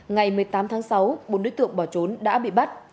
ngày một mươi tám tháng sáu bốn đối tượng bỏ trốn đã bị bắt